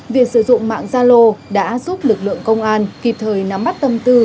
việc sử dụng mạng zalo đã giúp lực lượng công an kịp thời nắm mắt tâm tư